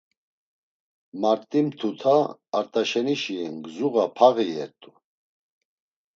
Mart̆i mtuta, Art̆aşenişi zuğa paği iyert̆u.